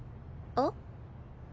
「あっ」？